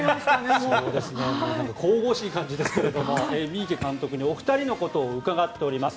神々しい感じですが三池監督にお二人のことを伺っております。